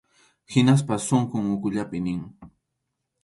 Hinaspas sunqun ukhullapi nin.